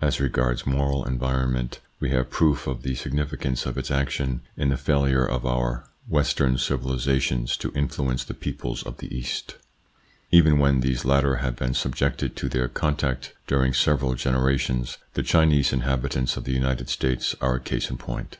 As regards moral environment, we have proof of the insignificance of its action in the failure of our ITS INFLUENCE ON THEIR EVOLUTION 57 Western civilisations to influence the peoples of the East, even when these latter have been subjected to their contact during several generations ; the Chinese inhabitants of the United States are a case in point.